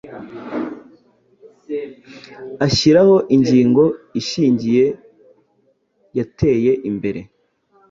ashyiraho ingingo ishingiye Yateye imbere